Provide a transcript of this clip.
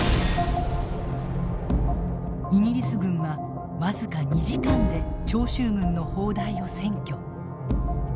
イギリス軍は僅か２時間で長州軍の砲台を占拠。